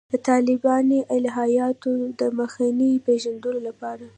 د طالباني الهیاتو د مخینې پېژندلو لپاره.